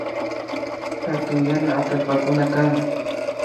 Hatun yana atallpakuna kan